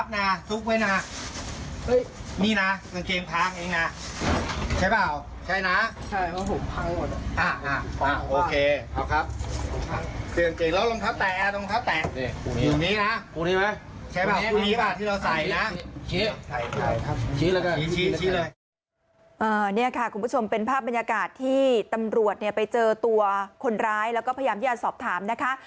นี่ค่ะคุณผู้ชมเป็นภาพบรรยากาศที่ตำรวจไปเจอตัวคนร้ายแล้วก็พยายามที่จะสอบถามนะคะ